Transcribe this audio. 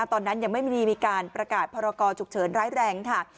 ตอนนั้นยังไม่มีการประกาศพรกรฉุกเฉินร้ายแรงค่ะ